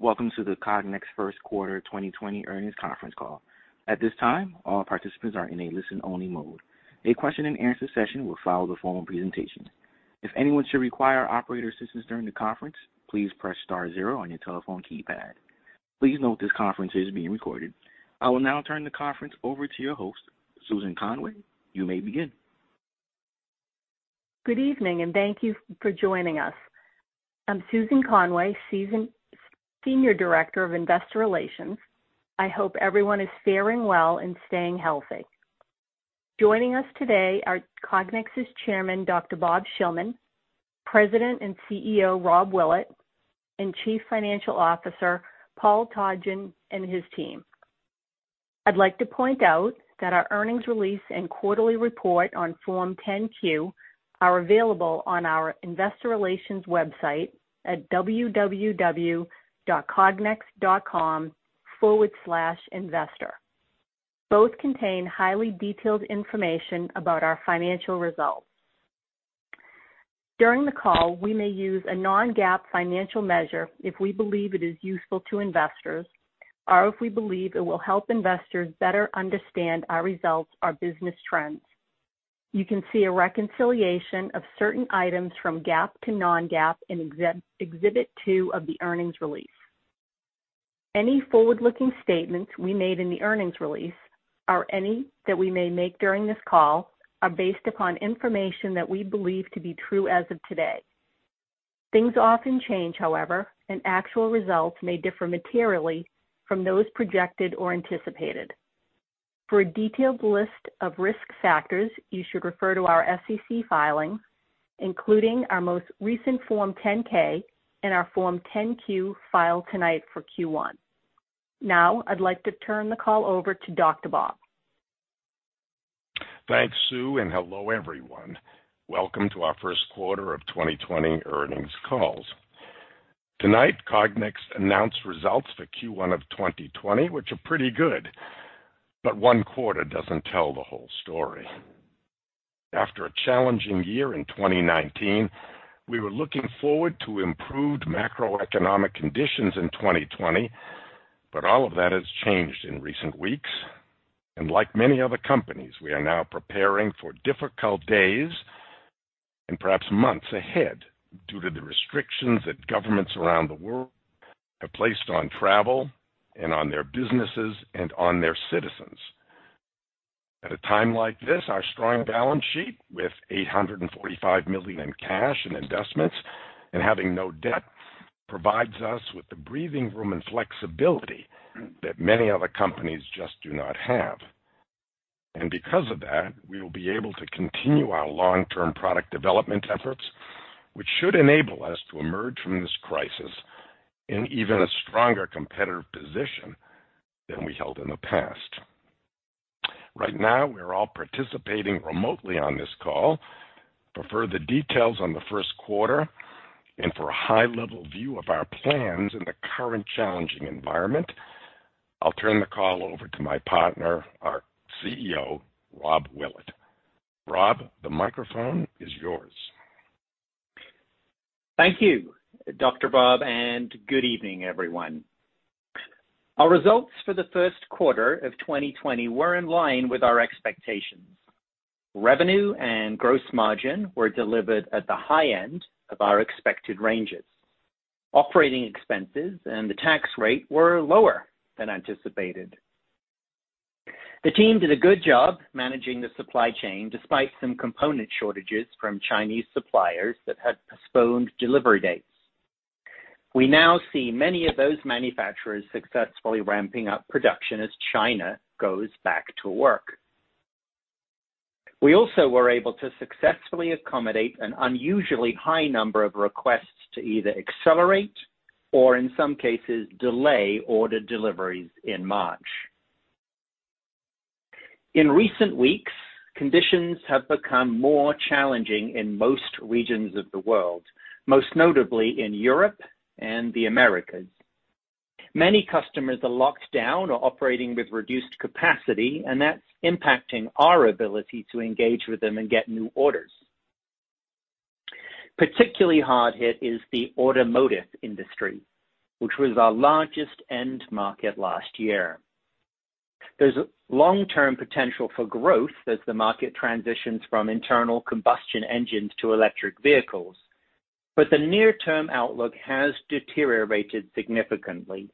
Greetings. Welcome to the Cognex first quarter 2020 earnings conference call. At this time, all participants are in a listen-only mode. A question and answer session will follow the formal presentation. If anyone should require operator assistance during the conference, please press star zero on your telephone keypad. Please note this conference is being recorded. I will now turn the conference over to your host, Susan Conway. You may begin. Good evening, and thank you for joining us. I'm Susan Conway, Senior Director of Investor Relations. I hope everyone is faring well and staying healthy. Joining us today are Cognex's Chairman, Dr. Bob Shillman, President and CEO, Rob Willett, and Chief Financial Officer, Paul Todgham, and his team. I'd like to point out that our earnings release and quarterly report on Form 10-Q are available on our investor relations website at www.cognex.com/investor. Both contain highly detailed information about our financial results. During the call, we may use a non-GAAP financial measure if we believe it is useful to investors or if we believe it will help investors better understand our results or business trends. You can see a reconciliation of certain items from GAAP to non-GAAP in Exhibit 2 of the earnings release. Any forward-looking statements we made in the earnings release or any that we may make during this call are based upon information that we believe to be true as of today. Things often change, however, and actual results may differ materially from those projected or anticipated. For a detailed list of risk factors, you should refer to our SEC filings, including our most recent Form 10-K and our Form 10-Q filed tonight for Q1. Now, I'd like to turn the call over to Dr. Bob. Thanks, Sue. Hello, everyone. Welcome to our first quarter of 2020 earnings calls. Tonight, Cognex announced results for Q1 of 2020, which are pretty good, but one quarter doesn't tell the whole story. After a challenging year in 2019, we were looking forward to improved macroeconomic conditions in 2020, but all of that has changed in recent weeks. Like many other companies, we are now preparing for difficult days and perhaps months ahead due to the restrictions that governments around the world have placed on travel and on their businesses and on their citizens. At a time like this, our strong balance sheet, with $845 million in cash and investments and having no debt, provides us with the breathing room and flexibility that many other companies just do not have. Because of that, we will be able to continue our long-term product development efforts, which should enable us to emerge from this crisis in even a stronger competitive position than we held in the past. Right now, we're all participating remotely on this call. For further details on the first quarter and for a high-level view of our plans in the current challenging environment, I'll turn the call over to my partner, our CEO, Robert Willett. Rob, the microphone is yours. Thank you, Dr. Bob, and good evening, everyone. Our results for the first quarter of 2020 were in line with our expectations. Revenue and gross margin were delivered at the high end of our expected ranges. Operating expenses and the tax rate were lower than anticipated. The team did a good job managing the supply chain despite some component shortages from Chinese suppliers that had postponed delivery dates. We now see many of those manufacturers successfully ramping up production as China goes back to work. We also were able to successfully accommodate an unusually high number of requests to either accelerate or in some cases delay ordered deliveries in March. In recent weeks, conditions have become more challenging in most regions of the world, most notably in Europe and the Americas. Many customers are locked down or operating with reduced capacity, and that's impacting our ability to engage with them and get new orders. Particularly hard hit is the automotive industry, which was our largest end market last year. There's long-term potential for growth as the market transitions from internal combustion engines to electric vehicles, but the near-term outlook has deteriorated significantly.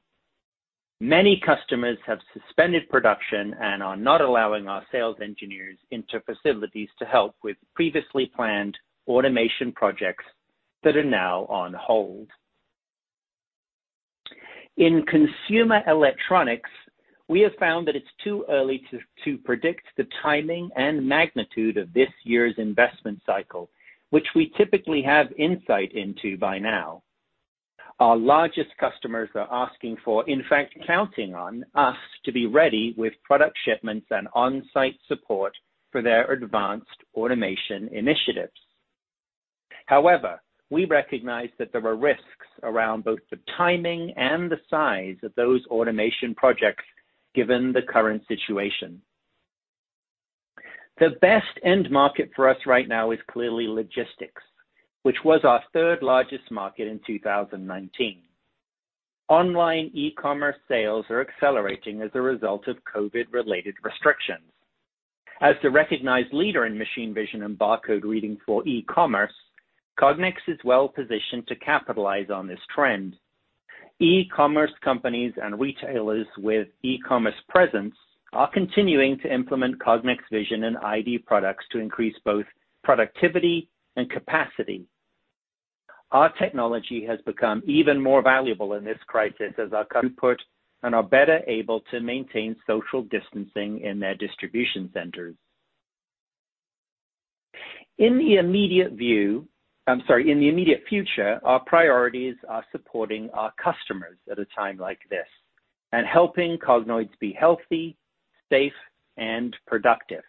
Many customers have suspended production and are not allowing our sales engineers into facilities to help with previously planned automation projects that are now on hold. In consumer electronics, we have found that it's too early to predict the timing and magnitude of this year's investment cycle, which we typically have insight into by now. Our largest customers are asking for, in fact, counting on us to be ready with product shipments and on-site support for their advanced automation initiatives. However, we recognize that there are risks around both the timing and the size of those automation projects given the current situation. The best end market for us right now is clearly logistics, which was our third largest market in 2019. Online e-commerce sales are accelerating as a result of COVID related restrictions. As the recognized leader in machine vision and barcode reading for e-commerce, Cognex is well positioned to capitalize on this trend. E-commerce companies and retailers with e-commerce presence are continuing to implement Cognex vision and ID products to increase both productivity and capacity. Our technology has become even more valuable in this crisis as our customers are better able to maintain social distancing in their distribution centers. In the immediate future, our priorities are supporting our customers at a time like this and helping Cognoids to be healthy, safe, and productive.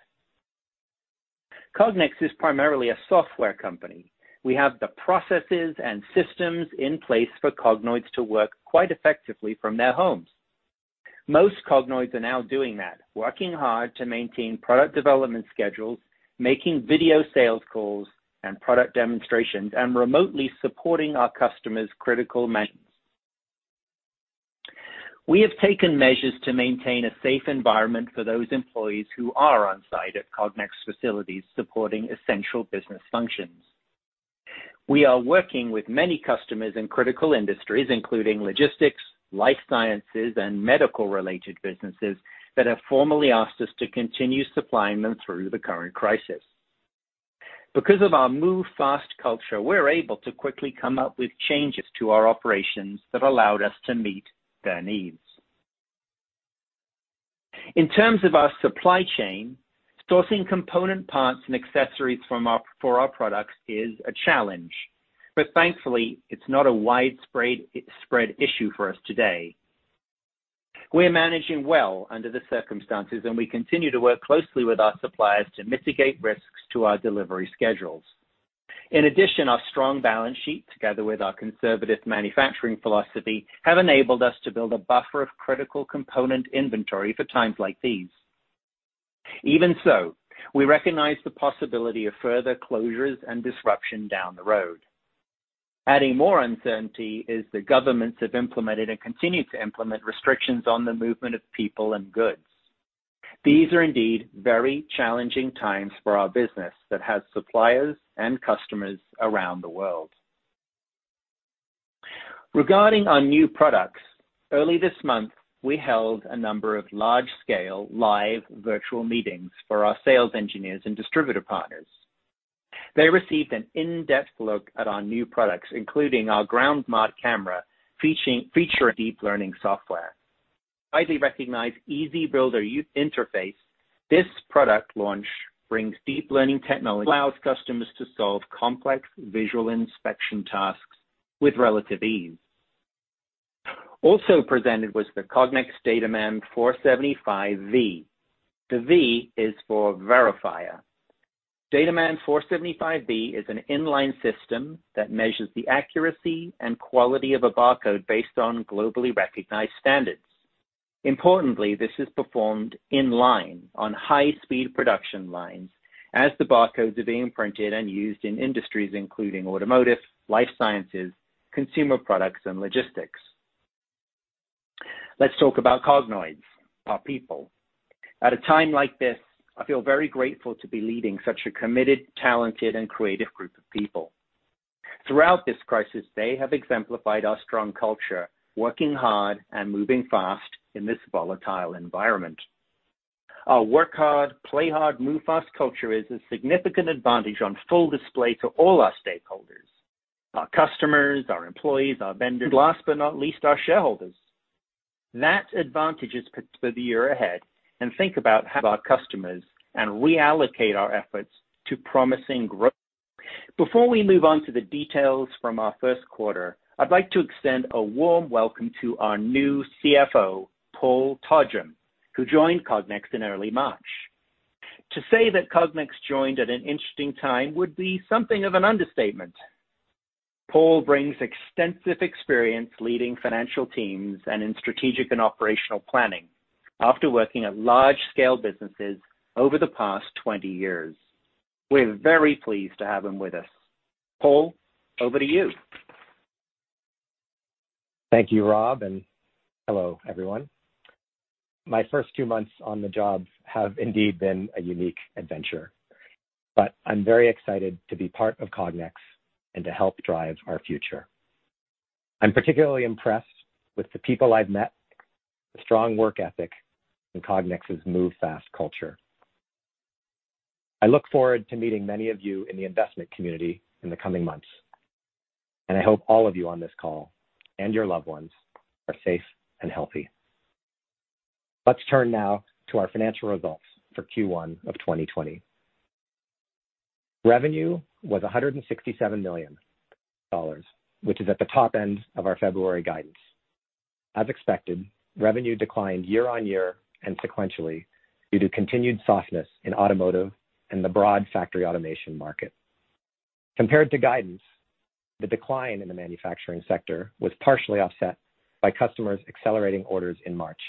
Cognex is primarily a software company. We have the processes and systems in place for Cognoids to work quite effectively from their homes. Most Cognoids are now doing that, working hard to maintain product development schedules, making video sales calls and product demonstrations, and remotely supporting our customers' critical missions. We have taken measures to maintain a safe environment for those employees who are on site at Cognex facilities supporting essential business functions. We are working with many customers in critical industries, including logistics, life sciences, and medical-related businesses that have formally asked us to continue supplying them through the current crisis. Because of our move fast culture, we're able to quickly come up with changes to our operations that allowed us to meet their needs. In terms of our supply chain, sourcing component parts and accessories for our products is a challenge, but thankfully, it's not a widespread issue for us today. We are managing well under the circumstances, and we continue to work closely with our suppliers to mitigate risks to our delivery schedules. In addition, our strong balance sheet, together with our conservative manufacturing philosophy, have enabled us to build a buffer of critical component inventory for times like these. Even so, we recognize the possibility of further closures and disruption down the road. Adding more uncertainty is that governments have implemented and continue to implement restrictions on the movement of people and goods. These are indeed very challenging times for our business that has suppliers and customers around the world. Regarding our new products, early this month, we held a number of large-scale live virtual meetings for our sales engineers and distributor partners. They received an in-depth look at our new products, including our ground-breaking camera featuring deep learning software, highly recognized EasyBuilder interface. This product launch brings deep learning technology, allows customers to solve complex visual inspection tasks with relative ease. Also presented was the Cognex DataMan 475V. The V is for verifier. DataMan 475V is an inline system that measures the accuracy and quality of a barcode based on globally recognized standards. Importantly, this is performed in line on high-speed production lines as the barcodes are being printed and used in industries including automotive, life sciences, consumer products, and logistics. Let's talk about Cognoids, our people. At a time like this, I feel very grateful to be leading such a committed, talented, and creative group of people. Throughout this crisis, they have exemplified our strong culture, working hard and moving fast in this volatile environment. Our work hard, play hard, move fast culture is a significant advantage on full display to all our stakeholders, our customers, our employees, our vendors, and last but not least, our shareholders. That advantage is important for the year ahead as we think about how our customers are changing and reallocate our efforts to promising growth. Before we move on to the details from our first quarter, I'd like to extend a warm welcome to our new CFO, Paul Todgham, who joined Cognex in early March. To say that Cognex joined at an interesting time would be something of an understatement. Paul brings extensive experience leading financial teams and in strategic and operational planning after working at large-scale businesses over the past 20 years. We're very pleased to have him with us. Paul, over to you. Thank you, Rob, and hello, everyone. My first two months on the job have indeed been a unique adventure, but I'm very excited to be part of Cognex and to help drive our future. I'm particularly impressed with the people I've met, the strong work ethic, and Cognex's move fast culture. I look forward to meeting many of you in the investment community in the coming months, and I hope all of you on this call and your loved ones are safe and healthy. Let's turn now to our financial results for Q1 of 2020. Revenue was $167 million, which is at the top end of our February guidance. As expected, revenue declined year-on-year and sequentially due to continued softness in automotive and the broad factory automation market. Compared to guidance, the decline in the manufacturing sector was partially offset by customers accelerating orders in March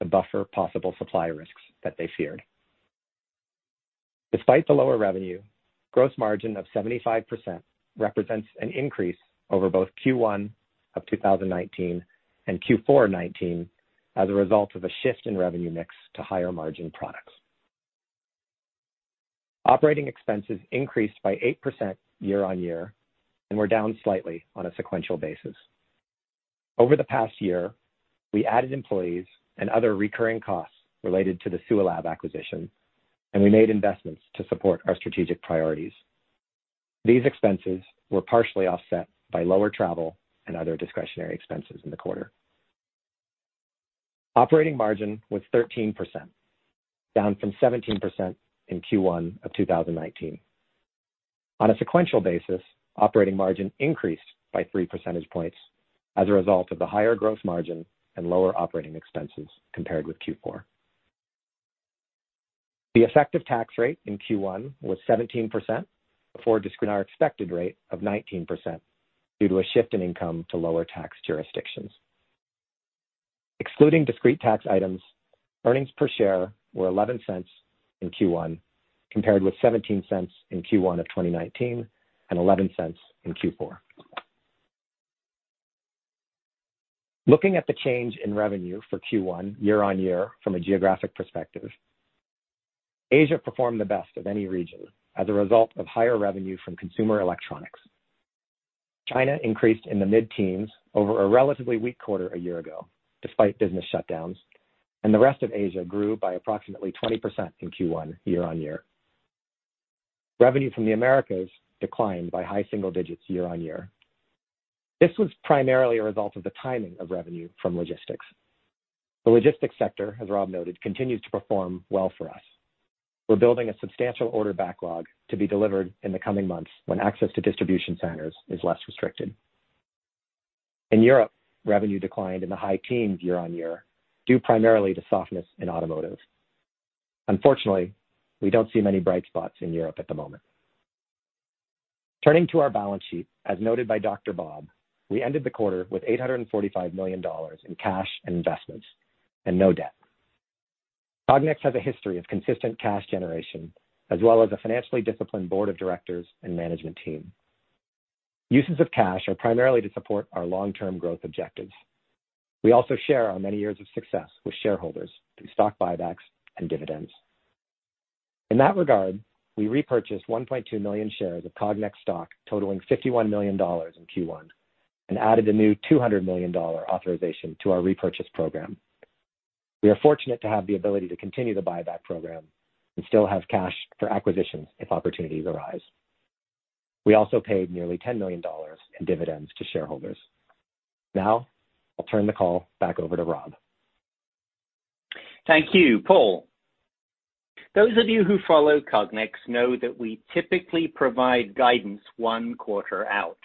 to buffer possible supply risks that they feared. Despite the lower revenue, gross margin of 75% represents an increase over both Q1 of 2019 and Q4 2019 as a result of a shift in revenue mix to higher margin products. Operating expenses increased by 8% year-on-year, and were down slightly on a sequential basis. Over the past year, we added employees and other recurring costs related to the Sualab acquisition, and we made investments to support our strategic priorities. These expenses were partially offset by lower travel and other discretionary expenses in the quarter. Operating margin was 13%, down from 17% in Q1 of 2019. On a sequential basis, operating margin increased by three percentage points as a result of the higher gross margin and lower operating expenses compared with Q4. The effective tax rate in Q1 was 17%, before discrete, our expected rate of 19%, due to a shift in income to lower tax jurisdictions. Excluding discrete tax items, earnings per share were $0.11 in Q1, compared with $0.17 in Q1 of 2019, and $0.11 in Q4. Looking at the change in revenue for Q1 year-on-year from a geographic perspective, Asia performed the best of any region as a result of higher revenue from consumer electronics. China increased in the mid-teens over a relatively weak quarter a year ago, despite business shutdowns, and the rest of Asia grew by approximately 20% in Q1 year-on-year. Revenue from the Americas declined by high single digits year-on-year. This was primarily a result of the timing of revenue from logistics. The logistics sector, as Rob noted, continues to perform well for us. We're building a substantial order backlog to be delivered in the coming months when access to distribution centers is less restricted. In Europe, revenue declined in the high teens year-on-year, due primarily to softness in automotive. Unfortunately, we don't see many bright spots in Europe at the moment. Turning to our balance sheet, as noted by Dr. Bob, we ended the quarter with $845 million in cash and investments, and no debt. Cognex has a history of consistent cash generation, as well as a financially disciplined board of directors and management team. Uses of cash are primarily to support our long-term growth objectives. We also share our many years of success with shareholders through stock buybacks and dividends. In that regard, we repurchased 1.2 million shares of Cognex stock totaling $51 million in Q1, and added a new $200 million authorization to our repurchase program. We are fortunate to have the ability to continue the buyback program and still have cash for acquisitions if opportunities arise. We also paid nearly $10 million in dividends to shareholders. Now, I'll turn the call back over to Rob. Thank you, Paul. Those of you who follow Cognex know that we typically provide guidance one quarter out.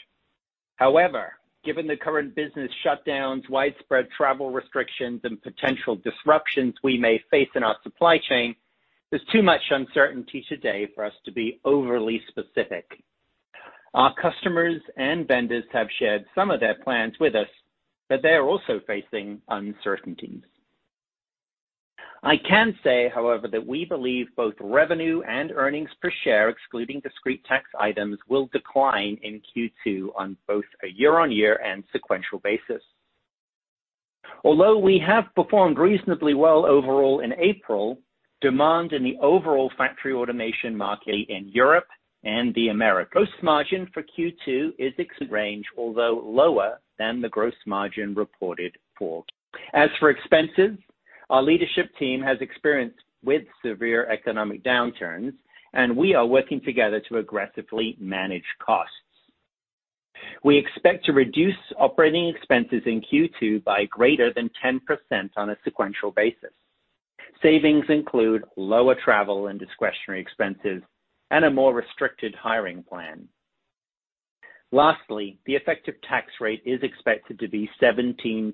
However, given the current business shutdowns, widespread travel restrictions, and potential disruptions we may face in our supply chain, there is too much uncertainty today for us to be overly specific. Our customers and vendors have shared some of their plans with us, but they are also facing uncertainties. I can say, however, that we believe both revenue and earnings per share, excluding discrete tax items, will decline in Q2 on both a year-on-year and sequential basis. Although we have performed reasonably well overall in April, demand in the overall factory automation market in Europe and the Americas. Gross margin for Q2 is expected to be in an excellent range, although lower than the gross margin reported for quarter. As for expenses, our leadership team has experience with severe economic downturns, and we are working together to aggressively manage costs. We expect to reduce operating expenses in Q2 by greater than 10% on a sequential basis. Savings include lower travel and discretionary expenses and a more restricted hiring plan. Lastly, the effective tax rate is expected to be 17%,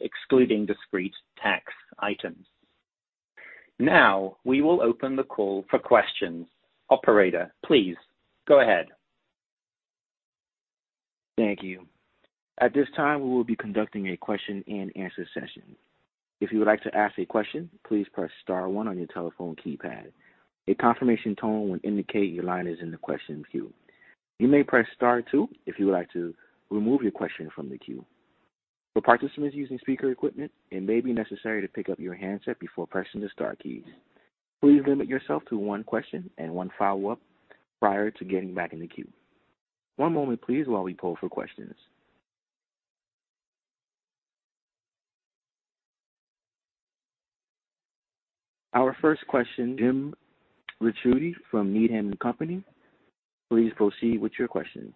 excluding discrete tax items. Now, we will open the call for questions. Operator, please go ahead. Thank you. At this time, we will be conducting a question and answer session. If you would like to ask a question, please press star one on your telephone keypad. A confirmation tone will indicate your line is in the question queue. You may press star two if you would like to remove your question from the queue. For participants using speaker equipment, it may be necessary to pick up your handset before pressing the star keys. Please limit yourself to one question and one follow-up prior to getting back in the queue. One moment please, while we poll for questions. Our first question, James Ricchiuti from Needham & Company. Please proceed with your question.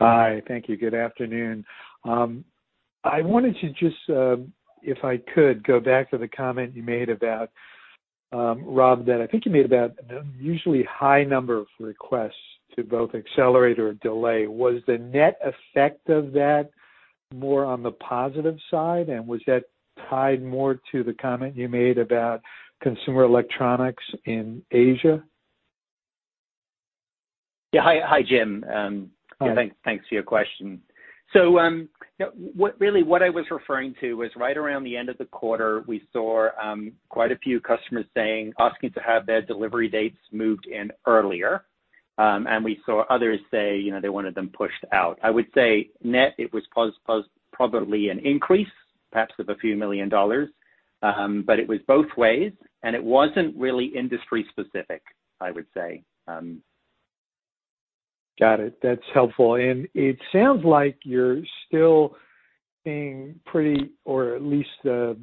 Hi. Thank you. Good afternoon. I wanted to just, if I could, go back to the comment you made about, Rob, that I think you made about the unsually high number of requests to both accelerate or delay. Was the net effect of that more on the positive side, and was that tied more to the comment you made about consumer electronics in Asia? Yeah. Hi, James. Hi. Thanks for your question. Really what I was referring to was right around the end of the quarter, we saw quite a few customers asking to have their delivery dates moved in earlier. We saw others say they wanted them pushed out. I would say net it was probably an increase, perhaps of a few million dollars. It was both ways, and it wasn't really industry specific, I would say. Got it. That's helpful. It sounds like you're still seeing pretty, or at least the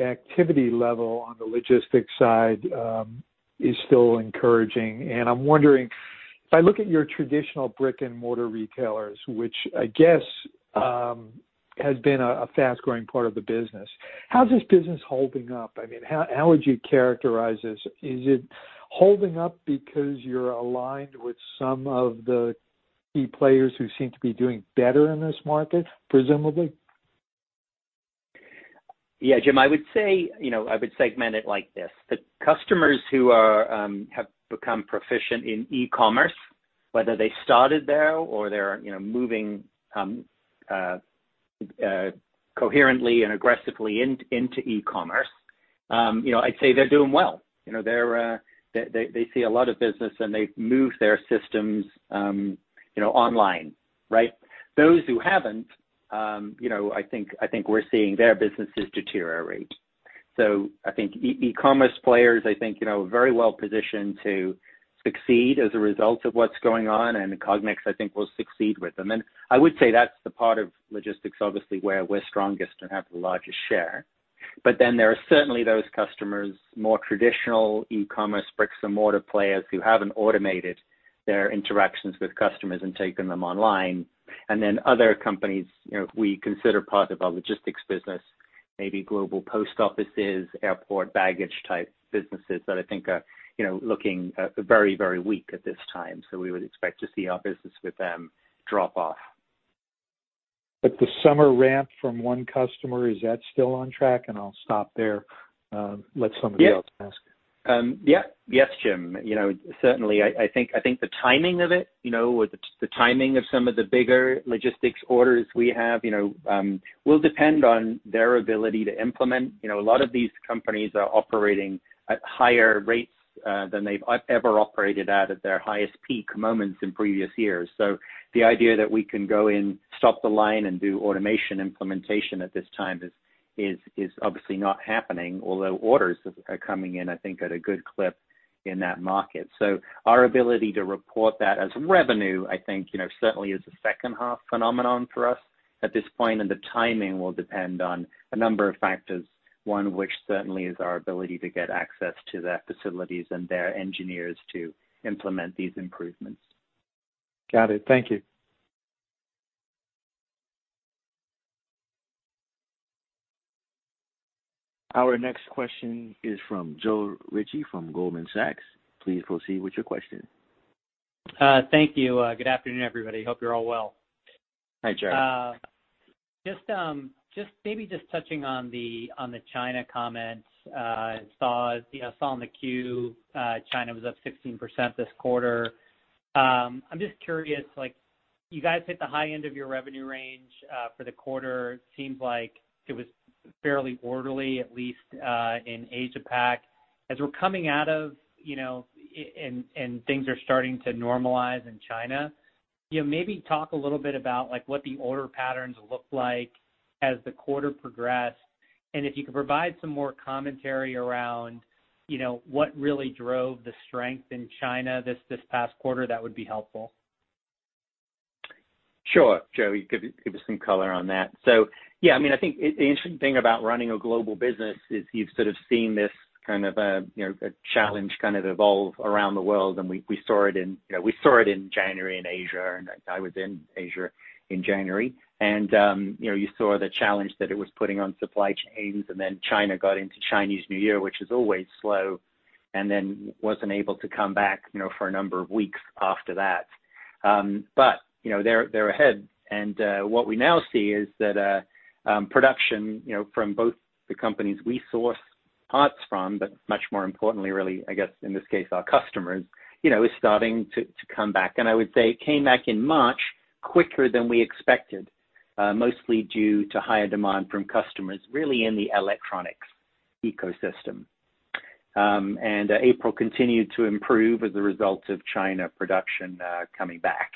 activity level on the logistics side, is still encouraging. I'm wondering, if I look at your traditional brick and mortar retailers, which I guess has been a fast-growing part of the business, how's this business holding up? How would you characterize this? Is it holding up because you're aligned with some of the key players who seem to be doing better in this market, presumably? Yeah, Jim, I would segment it like this. The customers who have become proficient in e-commerce, whether they started there or they're moving coherently and aggressively into e-commerce, I'd say they're doing well. They see a lot of business, and they've moved their systems online, right? Those who haven't, I think we're seeing their businesses deteriorate. I think e-commerce players, I think, are very well positioned to succeed as a result of what's going on, and Cognex, I think, will succeed with them. I would say that's the part of logistics, obviously where we're strongest and have the largest share. There are certainly those customers, more traditional e-commerce bricks and mortar players who haven't automated their interactions with customers and taken them online. Other companies we consider part of our logistics business, maybe global post offices, airport baggage type businesses that I think are looking very weak at this time. We would expect to see our business with them drop off. The summer ramp from one customer, is that still on track? I'll stop there, let somebody else ask. Yes, James. Certainly, I think the timing of it, or the timing of some of the bigger logistics orders we have will depend on their ability to implement. A lot of these companies are operating at higher rates than they've ever operated at at their highest peak moments in previous years. The idea that we can go in, stop the line, and do automation implementation at this time is obviously not happening, although orders are coming in, I think at a good clip in that market. Our ability to report that as revenue, I think, certainly is a second half phenomenon for us at this point, and the timing will depend on a number of factors, one which certainly is our ability to get access to their facilities and their engineers to implement these improvements. Got it. Thank you. Our next question is from Joe Ritchie from Goldman Sachs. Please proceed with your question. Thank you. Good afternoon, everybody. Hope you're all well. Hi, Joe. Just maybe touching on the China comments. I saw in the Form 10-Q China was up 16% this quarter. I'm just curious, you guys hit the high end of your revenue range for the quarter. It seems like it was fairly orderly, at least in Asia-Pac. As we're coming out of and things are starting to normalize in China, maybe talk a little bit about what the order patterns looked like as the quarter progressed. If you could provide some more commentary around what really drove the strength in China this past quarter, that would be helpful. Sure, Joe. Give you some color on that. Yeah, I think the interesting thing about running a global business is you've sort of seen this kind of a challenge kind of evolve around the world, and we saw it in January in Asia, and I was in Asia in January. You saw the challenge that it was putting on supply chains, China got into Chinese New Year, which is always slow, wasn't able to come back for a number of weeks after that. They're ahead, what we now see is that production from both the companies we source parts from, much more importantly, really, I guess, in this case, our customers, is starting to come back. I would say it came back in March quicker than we expected, mostly due to higher demand from customers, really in the electronics ecosystem. April continued to improve as a result of China production coming back.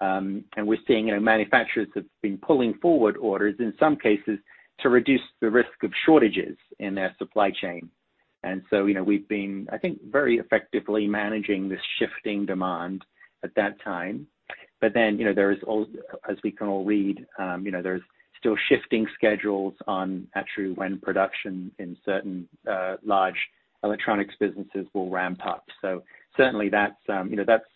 We're seeing manufacturers have been pulling forward orders, in some cases, to reduce the risk of shortages in their supply chain. We've been, I think, very effectively managing this shifting demand at that time. As we can all read, there's still shifting schedules on actually when production in certain large electronics businesses will ramp up. Certainly that's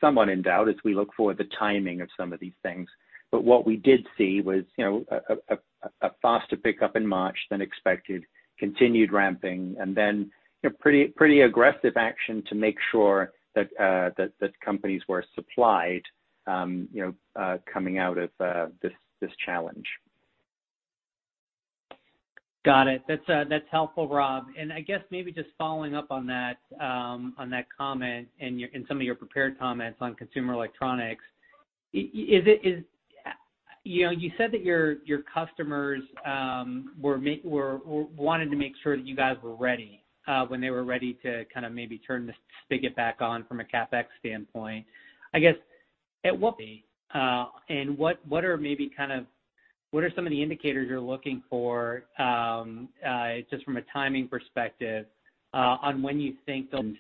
somewhat in doubt as we look for the timing of some of these things. What we did see was a faster pickup in March than expected, continued ramping, and then pretty aggressive action to make sure that companies were supplied coming out of this challenge. Got it. That's helpful, Rob. I guess maybe just following up on that comment, and some of your prepared comments on consumer electronics. You said that your customers wanted to make sure that you guys were ready when they were ready to maybe turn the spigot back on from a CapEx standpoint. I guess it won't be. What are some of the indicators you're looking for, just from a timing perspective, on when you think they'll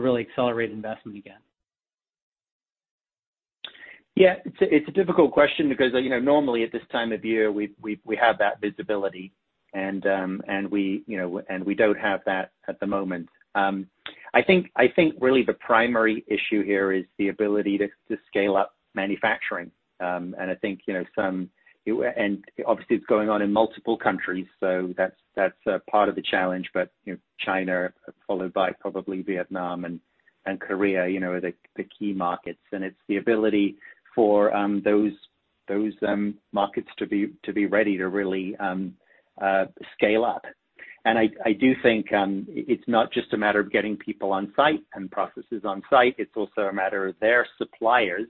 really accelerate investment again? It's a difficult question because normally at this time of year, we have that visibility, and we don't have that at the moment. I think, really, the primary issue here is the ability to scale up manufacturing. Obviously, it's going on in multiple countries, so that's a part of the challenge. China, followed by probably Vietnam and Korea, are the key markets, and it's the ability for those markets to be ready to really scale up. I do think it's not just a matter of getting people on-site and processes on-site, it's also a matter of their suppliers,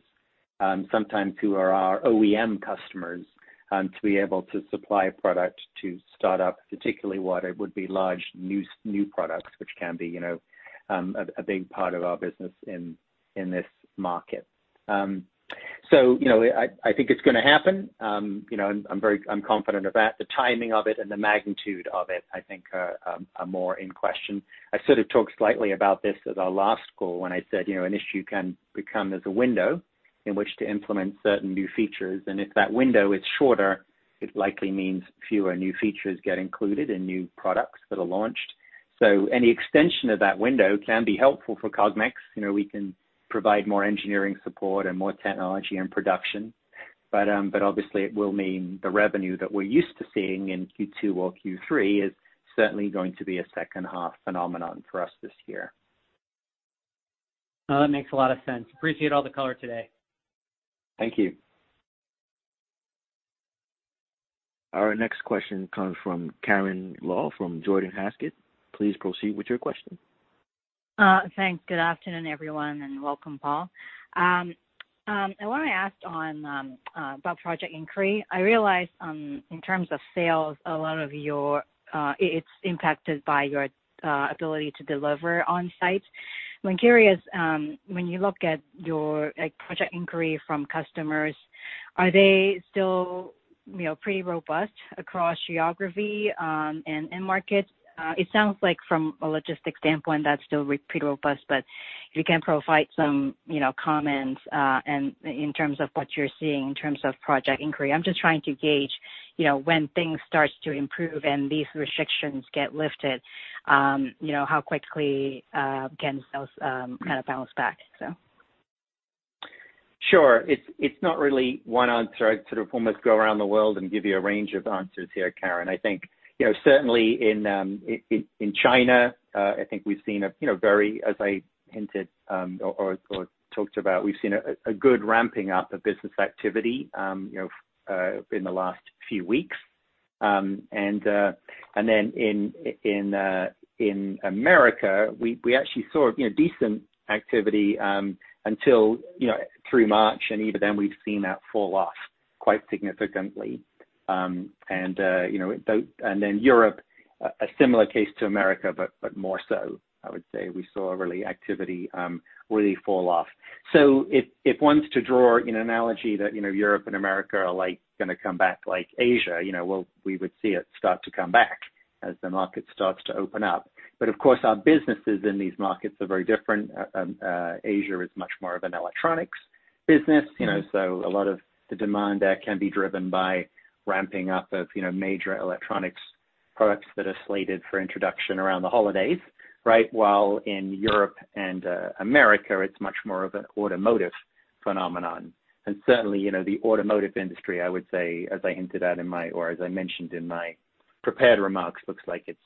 sometimes who are our OEM customers, to be able to supply product to start up, particularly what it would be large, new products, which can be a big part of our business in this market. I think it's going to happen. I'm confident of that. The timing of it and the magnitude of it, I think, are more in question. I sort of talked slightly about this at our last call, when I said an ISV can become a window in which to implement certain new features, and if that window is shorter, it likely means fewer new features get included in new products that are launched. Any extension of that window can be helpful for Cognex. We can provide more engineering support and more technology and production. Obviously, it will mean the revenue that we're used to seeing in Q2 or Q3 is certainly going to be a second half phenomenon for us this year. No, that makes a lot of sense. Appreciate all the color today. Thank you. Our next question comes from Karen Lau from Gordon Haskett. Please proceed with your question. Thanks. Good afternoon, everyone, and welcome, Paul. I want to ask about project inquiry. I realized in terms of sales, a lot of it's impacted by your ability to deliver on-site. I'm curious, when you look at your project inquiry from customers, are they still pretty robust across geography and end markets? It sounds like from a logistics standpoint, that's still pretty robust, but if you can provide some comments in terms of what you're seeing in terms of project inquiry. I'm just trying to gauge, when things start to improve and these restrictions get lifted, how quickly can sales kind of bounce back? Sure. It's not really one answer. I'd sort of almost go around the world and give you a range of answers here, Karen. I think certainly in China, I think we've seen a very, as I hinted or talked about, we've seen a good ramping up of business activity in the last few weeks. Then in America, we actually saw decent activity through March, and even then we've seen that fall off quite significantly. Then Europe, a similar case to America, but more so, I would say. We saw activity really fall off. If one's to draw an analogy that Europe and America are going to come back like Asia, we would see it start to come back as the market starts to open up. Of course, our businesses in these markets are very different. Asia is much more of an electronics business. A lot of the demand there can be driven by ramping up of major electronics products that are slated for introduction around the holidays. Right. While in Europe and America, it's much more of an automotive phenomenon. Certainly, the automotive industry, I would say, as I hinted at or as I mentioned in my prepared remarks, looks like it's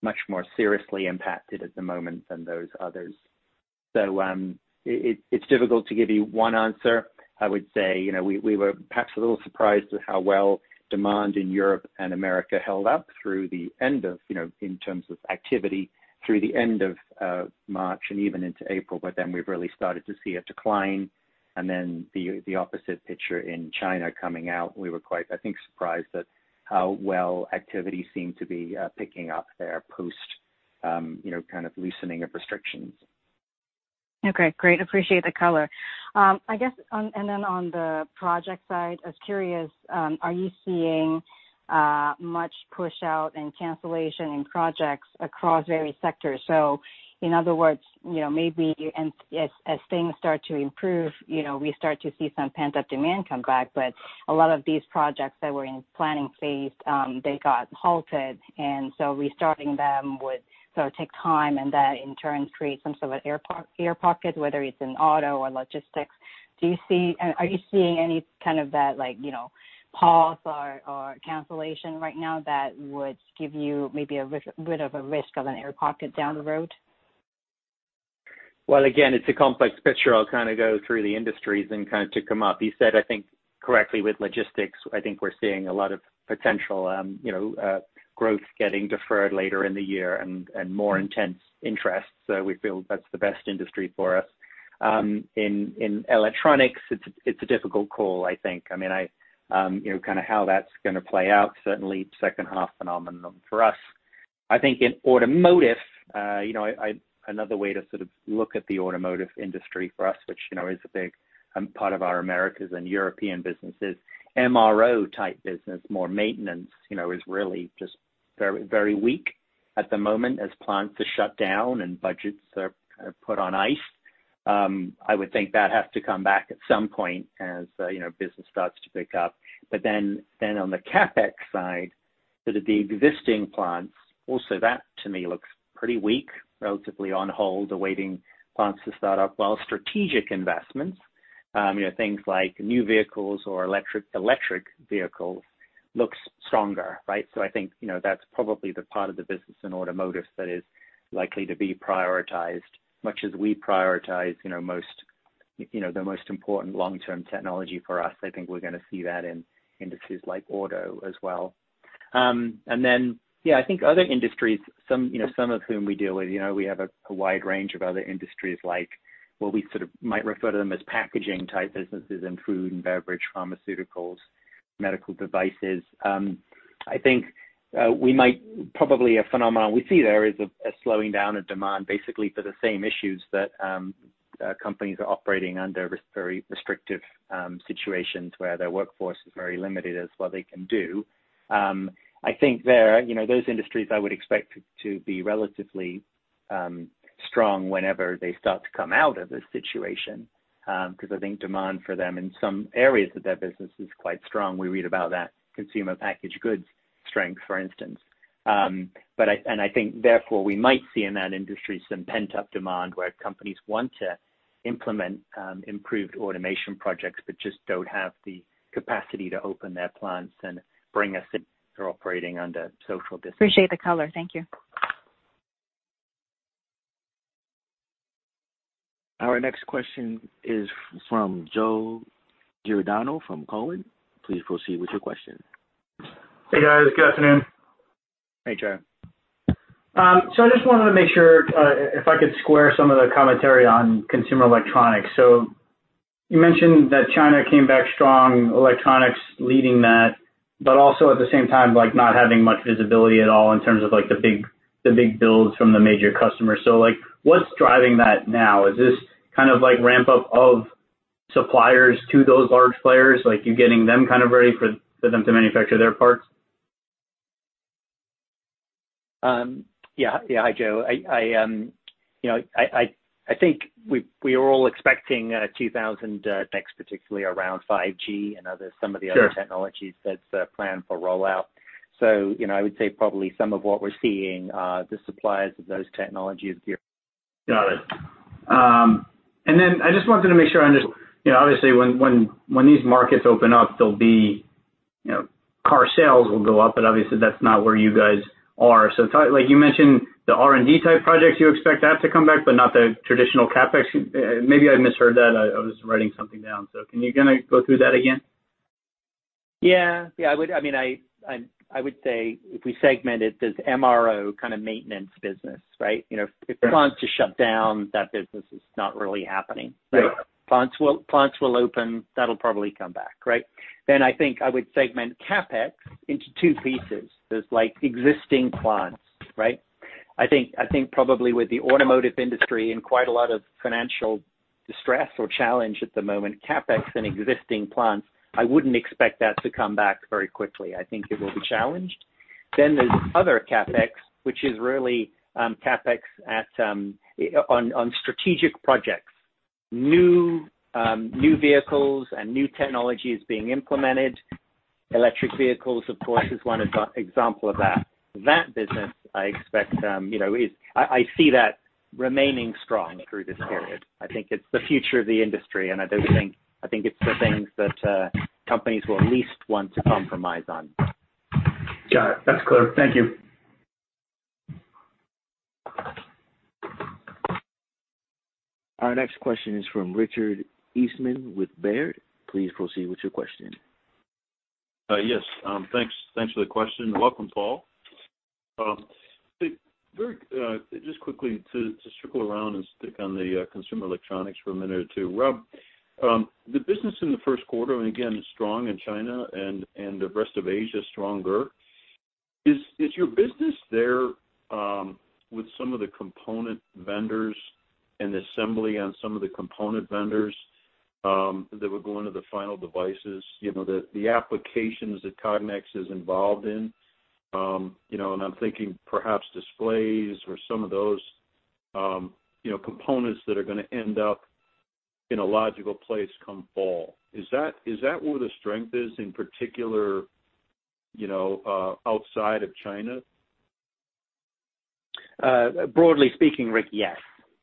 much more seriously impacted at the moment than those others. It's difficult to give you one answer. I would say, we were perhaps a little surprised at how well demand in Europe and America held up through the end of, in terms of activity, through the end of March and even into April. We've really started to see a decline and then the opposite picture in China coming out. We were quite, I think, surprised at how well activity seemed to be picking up there post kind of loosening of restrictions. Okay, great. Appreciate the color. I guess, then on the project side, I was curious, are you seeing much push-out and cancellation in projects across various sectors? In other words, maybe as things start to improve, we start to see some pent-up demand come back. A lot of these projects that were in planning phase, they got halted, and so restarting them would take time, and that in turn create some sort of air pocket, whether it's in auto or logistics. Are you seeing any kind of that pause or cancellation right now that would give you maybe a bit of a risk of an air pocket down the road? Again, it's a complex picture. I'll go through the industries and kind of tick them up. You said, I think correctly, with logistics, I think we're seeing a lot of potential growth getting deferred later in the year and more intense interest. We feel that's the best industry for us. In electronics, it's a difficult call, I think. How that's going to play out, certainly second half phenomenon for us. I think in automotive, another way to look at the automotive industry for us, which is a big part of our Americas and European businesses, MRO type business, more maintenance, is really just very weak at the moment as plants are shut down and budgets are put on ice. I would think that has to come back at some point as business starts to pick up. On the CapEx side, the existing plants, also that to me looks pretty weak, relatively on hold, awaiting plants to start up, while strategic investments, things like new vehicles or electric vehicles, looks stronger, right. I think that's probably the part of the business in automotive that is likely to be prioritized, much as we prioritize the most important long-term technology for us. I think we're going to see that in industries like auto as well. Yeah, I think other industries, some of whom we deal with, we have a wide range of other industries like, well, we sort of might refer to them as packaging type businesses and food and beverage, pharmaceuticals, medical devices. I think probably a phenomenon we see there is a slowing down of demand, basically for the same issues that companies are operating under very restrictive situations where their workforce is very limited as what they can do. I think there, those industries I would expect to be relatively strong whenever they start to come out of this situation, because I think demand for them in some areas of their business is quite strong. We read about that consumer packaged goods strength, for instance. I think therefore, we might see in that industry some pent-up demand where companies want to implement improved automation projects but just don't have the capacity to open their plants and bring us in. They're operating under social distancing. Appreciate the color. Thank you. Our next question is from Joseph Giordano from Cowen. Please proceed with your question. Hey, guys. Good afternoon. Hey, Joe. I just wanted to make sure if I could square some of the commentary on consumer electronics. You mentioned that China came back strong, electronics leading that, but also at the same time, not having much visibility at all in terms of the big builds from the major customers. What's driving that now? Is this kind of ramp up of suppliers to those large players, like you're getting them kind of ready for them to manufacture their parts? Yeah. Hi, Joe. I think we are all expecting 2020 tech, particularly around 5G and some of the other. Sure technologies that's planned for rollout. I would say probably some of what we're seeing, the suppliers of those technologies here. Got it. I just wanted to make sure I understand. Obviously, when these markets open up, car sales will go up, but obviously that's not where you guys are. You mentioned the R&D type projects, you expect that to come back, but not the traditional CapEx. Maybe I misheard that. I was writing something down. Can you kind of go through that again? Yeah. I would say if we segment it, there's MRO kind of maintenance business, right? Yeah. If plants just shut down, that business is not really happening. Right. Plants will open, that'll probably come back. Right? I think I would segment CapEx into two pieces. There's existing plants, right? I think probably with the automotive industry in quite a lot of financial distress or challenge at the moment, CapEx in existing plants, I wouldn't expect that to come back very quickly. I think it will be challenged. There's other CapEx, which is really CapEx on strategic projects. New vehicles and new technologies being implemented. Electric vehicles, of course, is one example of that. That business, I see that remaining strong through this period. I think it's the future of the industry, and I think it's the things that companies will least want to compromise on. Got it. That's clear. Thank you. Our next question is from Richard Eastman with Baird. Please proceed with your question. Yes. Thanks for taking my question. Welcome, Paul. Quickly to circle around and stick on the consumer electronics for a minute or two. Rob, the business in the first quarter, again, strong in China, and the rest of Asia stronger. Is your business there with some of the component vendors and assembly on some of the component vendors that would go into the final devices, the applications that Cognex is involved in, and I'm thinking perhaps displays or some of those components that are going to end up in a logical place come fall? Is that where the strength is in particular, outside of China? Broadly speaking, Rick, yes.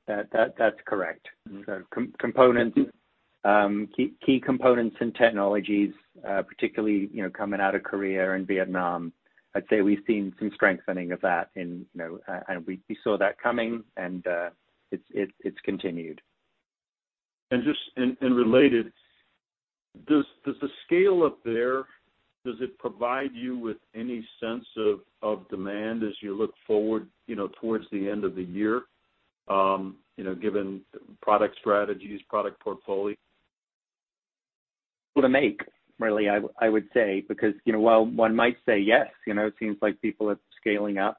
That's correct. Okay. Key components and technologies, particularly coming out of Korea and Vietnam, I'd say we've seen some strengthening of that, and we saw that coming, and it's continued. Related, does the scale up there, does it provide you with any sense of demand as you look forward towards the end of the year, given product strategies, product portfolio? It's a mixed bag, really, I would say because while one might say, yes, it seems like people are scaling up.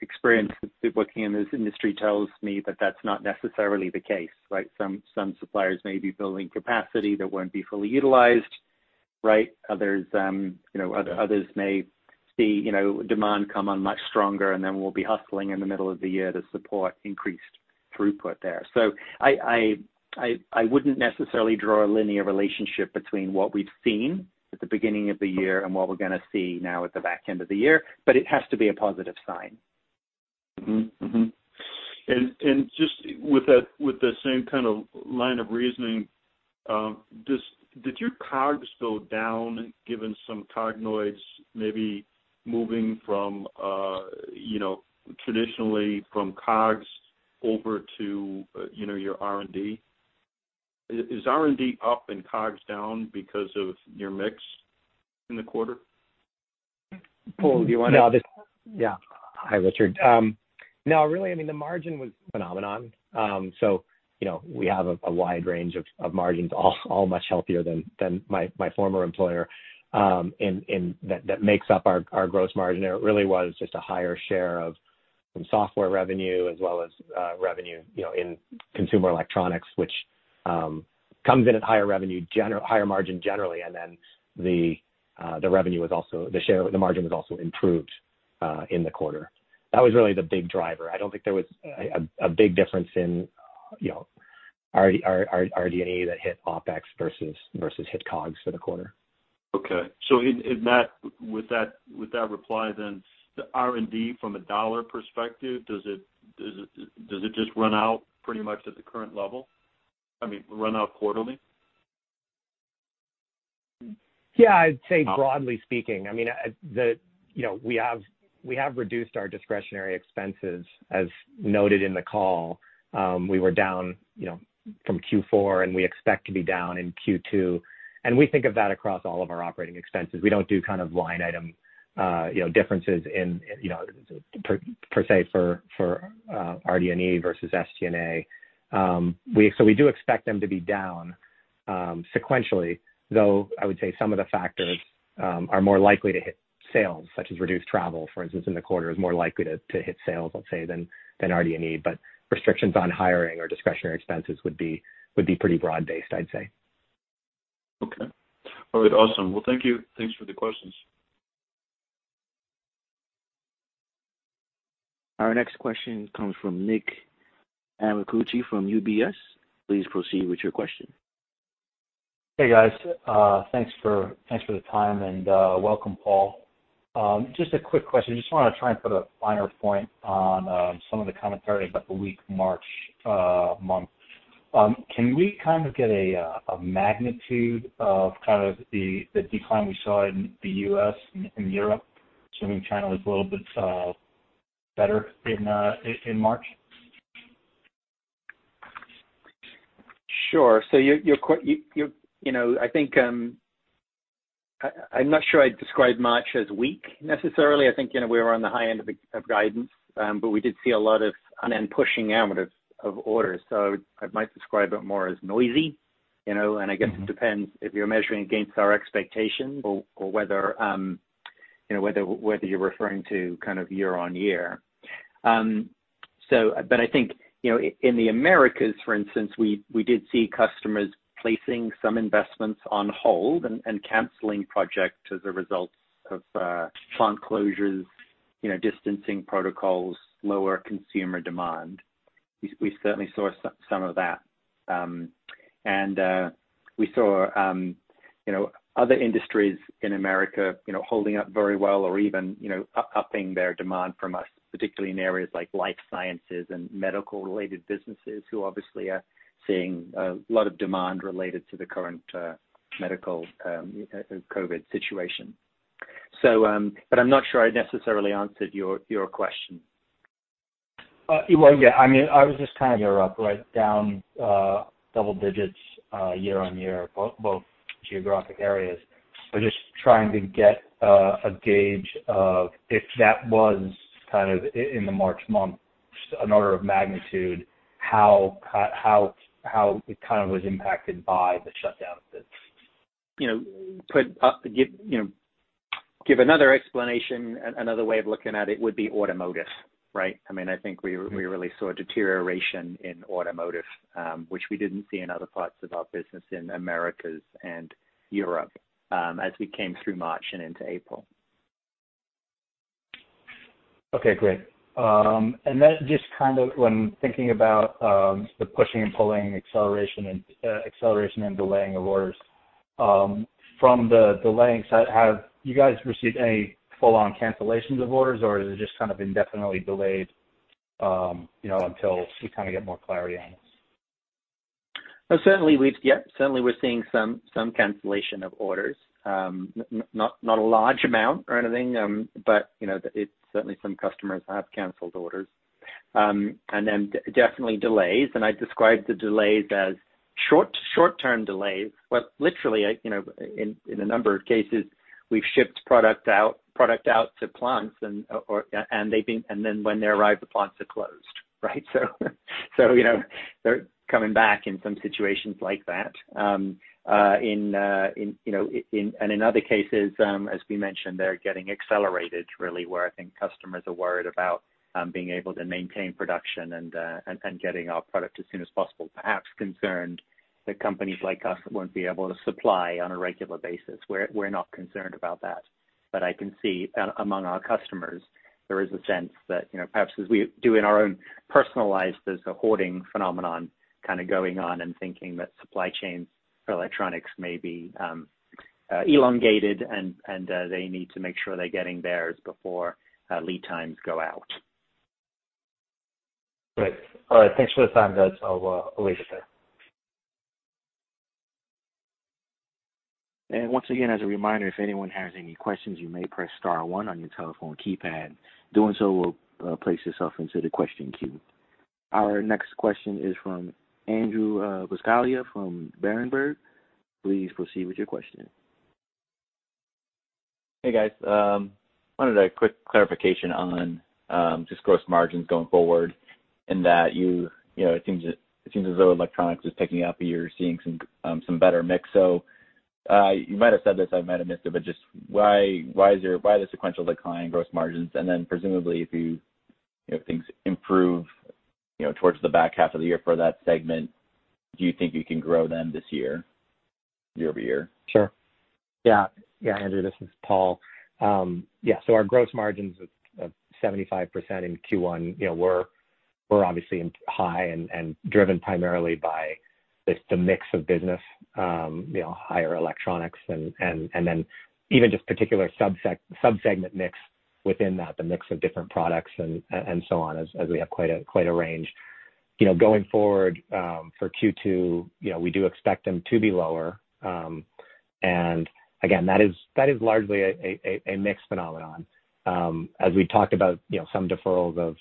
Experience with working in this industry tells me that that's not necessarily the case, right? Some suppliers may be building capacity that won't be fully utilized. Right? Okay may see demand come on much stronger, and then we'll be hustling in the middle of the year to support increased throughput there. I wouldn't necessarily draw a linear relationship between what we've seen at the beginning of the year and what we're going to see now at the back end of the year, but it has to be a positive sign. Just with the same kind of line of reasoning, did your COGS go down, given some Cognoids maybe moving from traditionally from COGS over to your R&D? Is R&D up and COGS down because of your mix in the quarter? Paul, do you want to- Hi, Richard. I mean, the margin was phenomenal. We have a wide range of margins, all much healthier than my former employer, and that makes up our gross margin there. It really was just a higher share of some software revenue as well as revenue in consumer electronics, which comes in at higher margin generally, and then the margin was also improved in the quarter. That was really the big driver. I don't think there was a big difference in RD&E that hit OpEx versus hit COGS for the quarter. Okay. With that reply, the R&D from a dollar perspective, does it just run out pretty much at the current level? I mean, run out quarterly? Yeah, I'd say broadly speaking. We have reduced our discretionary expenses, as noted in the call. We were down from Q4, and we expect to be down in Q2. We think of that across all of our operating expenses. We don't do kind of line item differences per se for RD&E versus SG&A. We do expect them to be down sequentially, though I would say some of the factors are more likely to hit sales, such as reduced travel, for instance, in the quarter is more likely to hit sales, let's say, than RD&E. Restrictions on hiring or discretionary expenses would be pretty broad-based, I'd say. Okay. All right, awesome. Well, thank you. Thanks for taking my questions. Our next question comes from Nicholas Amicucci from UBS. Please proceed with your question. Hey, guys. Thanks for the time, and welcome, Paul. Just a quick question. Just want to try and put a finer point on some of the commentary about the weak March month. Can we kind of get a magnitude of kind of the decline we saw in the U.S. and Europe, assuming China was a little bit better in March? Sure. I'm not sure I'd describe March as weak, necessarily. I think we were on the high end of guidance. We did see a lot of an amount of pushing out of orders. I might describe it more as noisy. I guess it depends if you're measuring against our expectations or whether you're referring to kind of year-over-year. I think, in the Americas, for instance, we did see customers placing some investments on hold and canceling projects as a result of plant closures, distancing protocols, lower consumer demand. We certainly saw some of that. We saw other industries in the Americas holding up very well or even upping their demand from us, particularly in areas like life sciences and medical-related businesses, who obviously are seeing a lot of demand related to the current medical COVID situation. I'm not sure I necessarily answered your question. Yeah. I was just kind of Europe, right, down double digits year-on-year, both geographic areas. Just trying to get a gauge of if that was kind of in the March month, just an order of magnitude, how it kind of was impacted by the shutdowns. Give another explanation, another way of looking at it would be automotive. Right? I think we really saw deterioration in automotive, which we didn't see in other parts of our business in Americas and Europe as we came through March and into April. Okay, great. Just kind of when thinking about the pushing and pulling, acceleration and delaying of orders. From the delaying side, have you guys received any full-on cancellations of orders, or is it just kind of indefinitely delayed? Until we kind of get more clarity on this. Yeah, certainly we're seeing some cancellation of orders. Not a large amount or anything, but certainly some customers have canceled orders. Definitely delays, and I'd describe the delays as short-term delays. Literally, in a number of cases, we've shipped product out to plants, and then when they arrive, the plants are closed. Right? They're coming back in some situations like that. In other cases, as we mentioned, they're getting accelerated, really, where I think customers are worried about being able to maintain production and getting our product as soon as possible. Perhaps concerned that companies like us won't be able to supply on a regular basis. We're not concerned about that. I can see, among our customers, there is a sense that, perhaps as we do in our own personal lives, there's a hoarding phenomenon kind of going on and thinking that supply chain for electronics may be elongated and they need to make sure they're getting theirs before lead times go out. Great. All right. Thanks for the time, guys. I'll leave it there. Once again, as a reminder, if anyone has any questions, you may press star one on your telephone keypad. Doing so will place yourself into the question queue. Our next question is from Andrew Buscaglia from Berenberg. Please proceed with your question. Hey, guys. Wanted a quick clarification on just gross margins going forward, in that it seems as though electronics is picking up, you're seeing some better mix. You might have said this, I might have missed it, but just why the sequential decline in gross margins? Then presumably if things improve towards the back half of the year for that segment, do you think you can grow them this year-over-year? Andrew, this is Paul. Our gross margins of 75% in Q1 were obviously high and driven primarily by just the mix of business, higher electronics and then even just particular sub-segment mix within that, the mix of different products and so on, as we have quite a range. Going forward, for Q2, we do expect them to be lower. Again, that is largely a mix phenomenon. As we've talked about some deferrals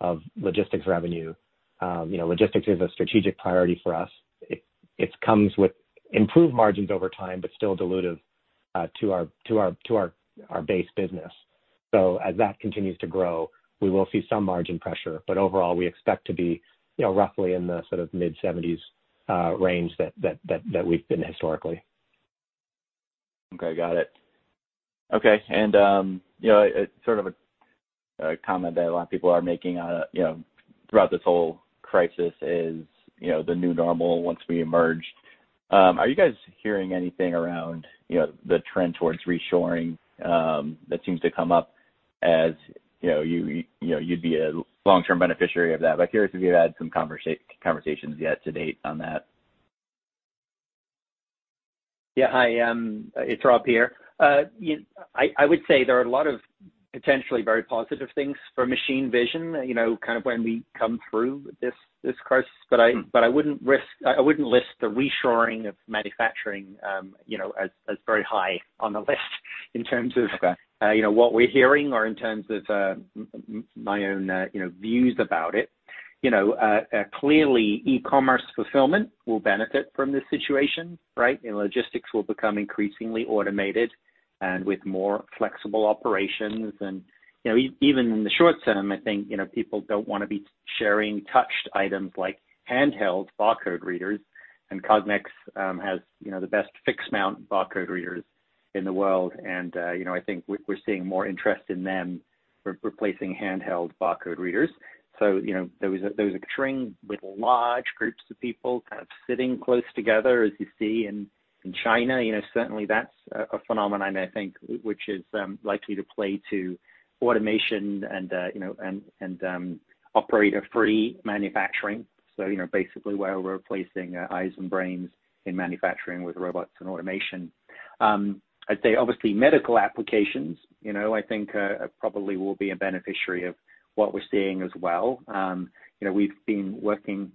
of logistics revenue. Logistics is a strategic priority for us. It comes with improved margins over time, but still dilutive to our base business. As that continues to grow, we will see some margin pressure. Overall, we expect to be roughly in the sort of mid-70s range that we've been historically. Okay, got it. Okay, sort of a comment that a lot of people are making throughout this whole crisis is the new normal once we emerge. Are you guys hearing anything around the trend towards reshoring that seems to come up as you'd be a long-term beneficiary of that? Curious if you've had some conversations yet to date on that? Yeah. Hi, it's Rob here. I would say there are a lot of potentially very positive things for machine vision, kind of when we come through this crisis. I wouldn't list the reshoring of manufacturing as very high on the list in terms of- Okay what we're hearing or in terms of my own views about it. Clearly, e-commerce fulfillment will benefit from this situation, right? Logistics will become increasingly automated and with more flexible operations. Even in the short term, I think, people don't want to be sharing touched items like handheld barcode readers, and Cognex has the best fixed mount barcode readers in the world. I think we're seeing more interest in them replacing handheld barcode readers. There was a trend with large groups of people kind of sitting close together, as you see in China. Certainly that's a phenomenon, I think, which is likely to play to automation and operator-free manufacturing. Basically where we're replacing eyes and brains in manufacturing with robots and automation. I'd say obviously medical applications, I think probably will be a beneficiary of what we're seeing as well. We've been working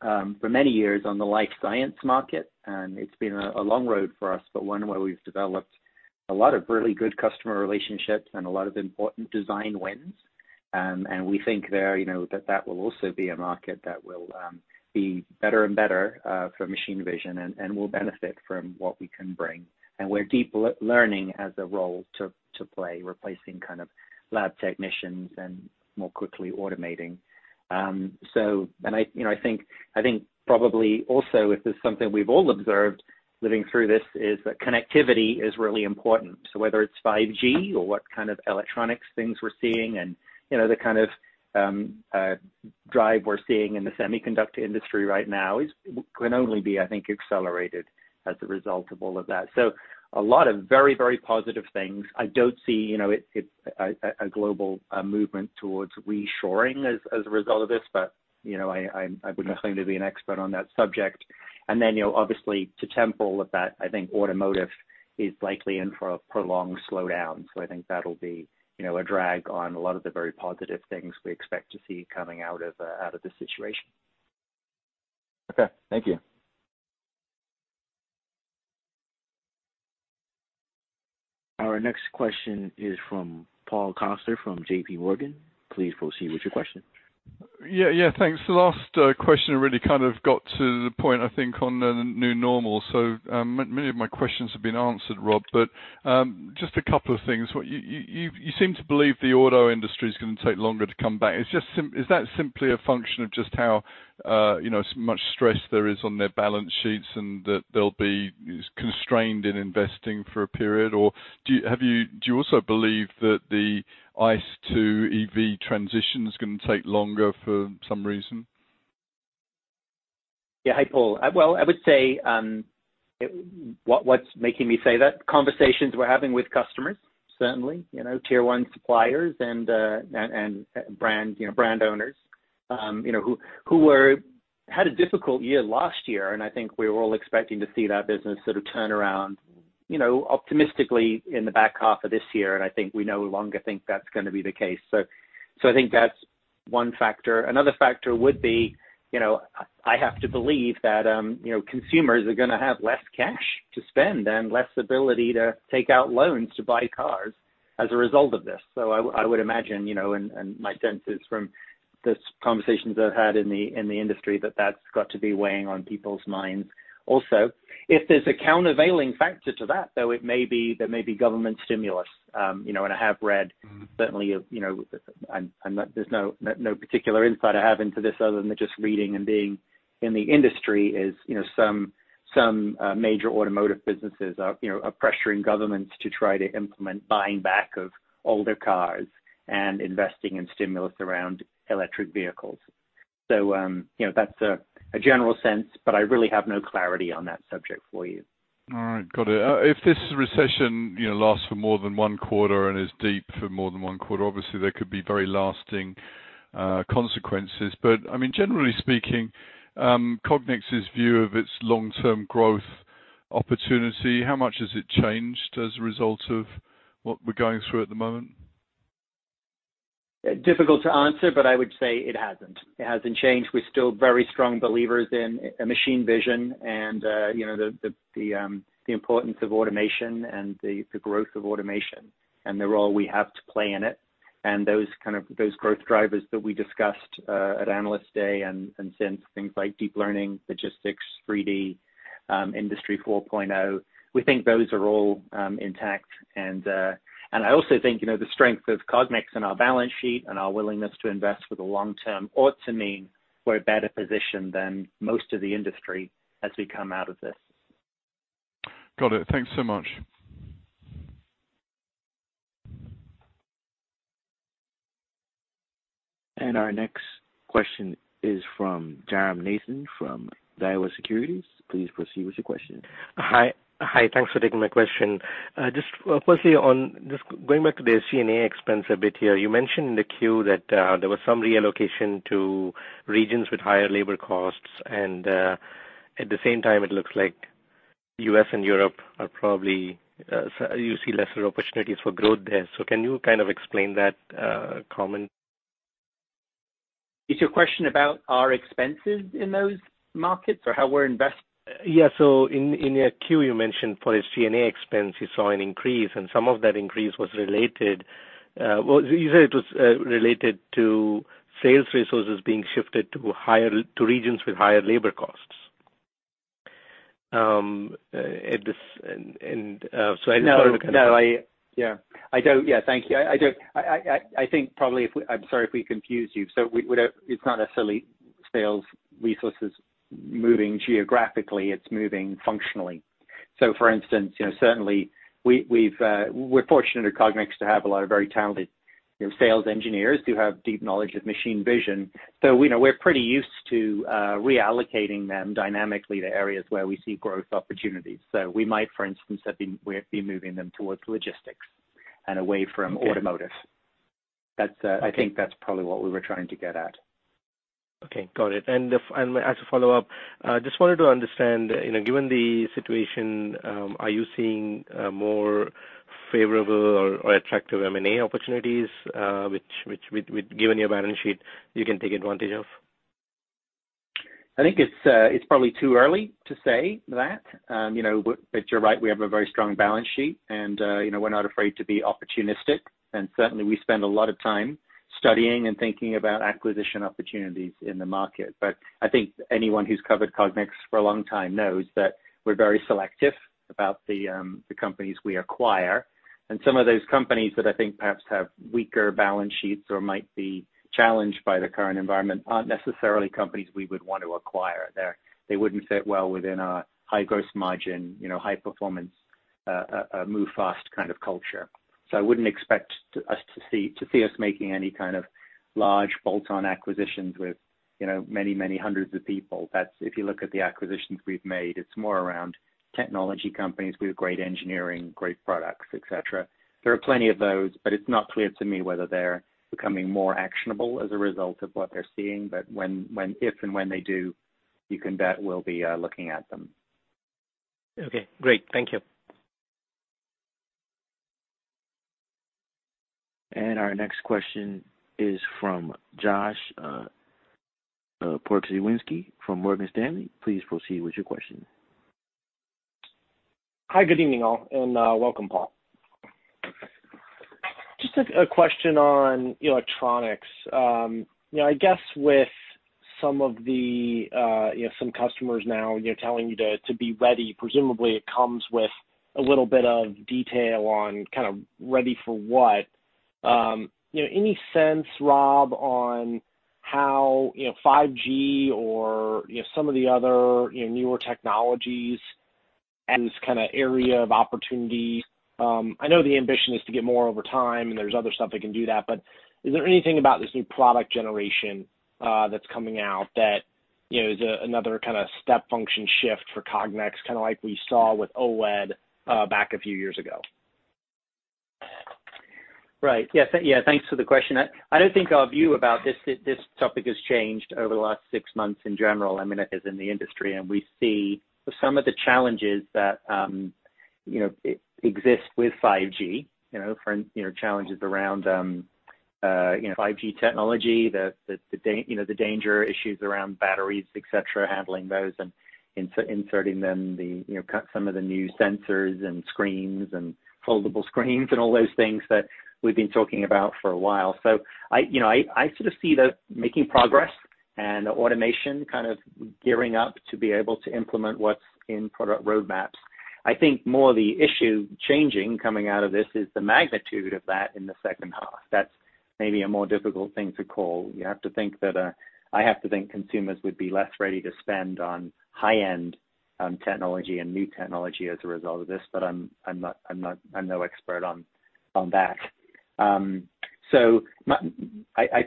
for many years on the life science market, and it's been a long road for us, but one where we've developed a lot of really good customer relationships and a lot of important design wins. We think that will also be a market that will be better and better for machine vision and will benefit from what we can bring, where deep learning has a role to play, replacing kind of lab technicians and more quickly automating. I think probably also, if it's something we've all observed living through this, is that connectivity is really important. Whether it's 5G or what kind of electronics things we're seeing and the kind of drive we're seeing in the semiconductor industry right now can only be, I think, accelerated as a result of all of that. A lot of very, very positive things. I don't see a global movement towards reshoring as a result of this. I wouldn't claim to be an expert on that subject. Obviously, to grapple with that, I think automotive is likely in for a prolonged slowdown. I think that'll be a drag on a lot of the very positive things we expect to see coming out of this situation. Okay, thank you. Our next question is from Paul Coster from JP Morgan. Please proceed with your question. Yeah. Thanks. The last question really got to the point, I think, on the new normal. Many of my questions have been answered, Rob, but just a couple of things. You seem to believe the auto industry is going to take longer to come back. Is that simply a function of just how much stress there is on their balance sheets, and that they'll be constrained in investing for a period, or do you also believe that the ICE to EV transition is going to take longer for some reason? Yeah. Hi, Paul. Well, I would say, what's making me say that? Conversations we're having with customers, certainly, tier 1 suppliers and brand owners, who had a difficult year last year, and I think we were all expecting to see that business sort of turn around optimistically in the back half of this year, and I think we no longer think that's going to be the case. I think that's one factor. Another factor would be, I have to believe that consumers are going to have less cash to spend and less ability to take out loans to buy cars as a result of this. I would imagine, and my sense is from the conversations I've had in the industry, that that's got to be weighing on people's minds. Also, if there's a countervailing factor to that, though, there may be government stimulus. I have read, certainly, there's no particular insight I have into this other than just reading and being in the industry is some major automotive businesses are pressuring governments to try to implement buying back of older cars and investing in stimulus around electric vehicles. That's a general sense, but I really have no clarity on that subject for you. All right. Got it. If this recession lasts for more than one quarter and is deep for more than one quarter, obviously there could be very lasting consequences. Generally speaking, Cognex's view of its long-term growth opportunity, how much has it changed as a result of what we're going through at the moment? Difficult to answer, but I would say it hasn't. It hasn't changed. We're still very strong believers in machine vision and the importance of automation and the growth of automation and the role we have to play in it, and those growth drivers that we discussed at Analyst Day and since, things like deep learning, logistics, 3D, Industry 4.0, we think those are all intact. I also think, the strength of Cognex and our balance sheet and our willingness to invest for the long term ought to mean we're better positioned than most of the industry as we come out of this. Got it. Thanks so much. Our next question is from Jairam Nathan from Daiwa Securities. Please proceed with your question. Hi. Thanks for taking my question. Just firstly on, just going back to the SG&A expense a bit here. You mentioned in the Form 10-Q that there was some reallocation to regions with higher labor costs and, at the same time, it looks like U.S. and Europe you see lesser opportunities for growth there. Can you kind of explain that comment? Is your question about our expenses in those markets or how we're invest-? Yeah. In your queue, you mentioned for SG&A expense, you saw an increase, some of that increase was related to sales resources being shifted to regions with higher labor costs. No. Yeah. Thank you. I think probably, I'm sorry if we confused you. It's not necessarily sales resources moving geographically, it's moving functionally. For instance, certainly we're fortunate at Cognex to have a lot of very talented sales engineers who have deep knowledge of machine vision. We're pretty used to reallocating them dynamically to areas where we see growth opportunities. We might, for instance, be moving them towards logistics and away from automotive. Okay. I think that's probably what we were trying to get at. Okay. Got it. As a follow-up, just wanted to understand, given the situation, are you seeing more favorable or attractive M&A opportunities, which with, given your balance sheet, you can take advantage of? I think it's probably too early to say that. You're right, we have a very strong balance sheet, and we're not afraid to be opportunistic, and certainly we spend a lot of time studying and thinking about acquisition opportunities in the market. I think anyone who's covered Cognex for a long time knows that we're very selective about the companies we acquire, and some of those companies that I think perhaps have weaker balance sheets or might be challenged by the current environment aren't necessarily companies we would want to acquire. They wouldn't fit well within our high gross margin, high performance, move fast kind of culture. I wouldn't expect to see us making any kind of large bolt-on acquisitions with many hundreds of people. If you look at the acquisitions we've made, it's more around technology companies with great engineering, great products, et cetera. There are plenty of those, but it's not clear to me whether they're becoming more actionable as a result of what they're seeing. If and when they do. You can bet we'll be looking at them. Okay, great. Thank you. Our next question is from Josh Porkrzywinski from Morgan Stanley. Please proceed with your question. Hi, good evening, all, and welcome, Paul. Just a question on electronics. I guess with some customers now telling you to be ready, presumably it comes with a little bit of detail on kind of ready for what. Any sense, Rob, on how 5G or some of the other newer technologies, and its kind of area of opportunity? I know the ambition is to get more over time, and there's other stuff that can do that, but is there anything about this new product generation that's coming out that is another kind of step function shift for Cognex, kind of like we saw with OLED back a few years ago? Right. Yeah, thanks for the question. I don't think our view about this topic has changed over the last six months in general, as in the industry, and we see some of the challenges that exist with 5G, challenges around 5G technology, the danger issues around batteries, et cetera, handling those and inserting them, some of the new sensors and screens and foldable screens and all those things that we've been talking about for a while. I sort of see that making progress and automation kind of gearing up to be able to implement what's in product roadmaps. I think more the issue changing coming out of this is the magnitude of that in the second half. That's maybe a more difficult thing to call. I have to think consumers would be less ready to spend on high-end technology and new technology as a result of this. I'm no expert on that. I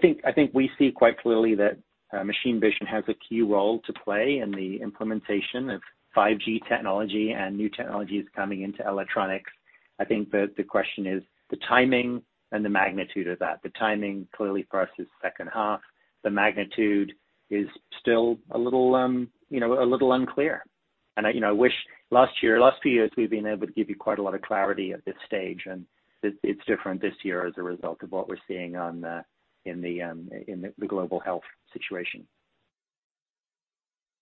think we see quite clearly that machine vision has a key role to play in the implementation of 5G technology and new technologies coming into electronics. I think the question is the timing and the magnitude of that. The timing clearly for us is second half. The magnitude is still a little unclear. I wish last year, last few years, we've been able to give you quite a lot of clarity at this stage, and it's different this year as a result of what we're seeing in the global health situation.